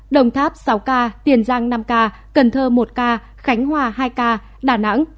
tổng hợp sáu ca tiền giang năm ca cần thơ một ca khánh hòa hai ca đà nẵng